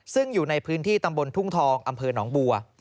ซึ่งอยู่ในพื้นที่ตำบลทุ่งทองอำเภอหนองบัว